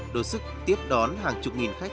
đối sức tiếp đón hàng chục nghìn khách